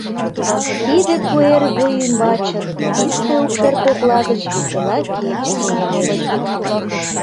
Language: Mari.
Тиде куэр вуй ӱмбачын, писте укшер кокла гыч весела кече кынелеш.